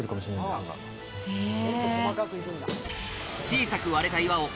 へぇ。